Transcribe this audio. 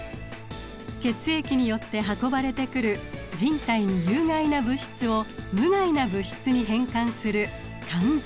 血液によって運ばれてくる人体に有害な物質を無害な物質に変換する肝臓。